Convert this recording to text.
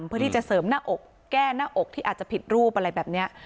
เพื่อที่จะเสริมหน้าอกแก้หน้าอกที่อาจจะผิดรูปอะไรแบบนี้